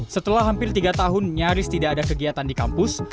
setelah hampir tiga tahun nyaris tidak ada kegiatan di kampus